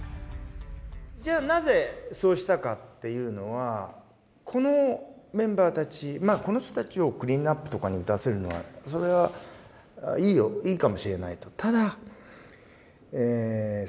じゃあなぜそうしたかっていうのはこのメンバーたちまあこの人たちをクリーンアップとかに出せるのはそれはいいよいいかもしれないと。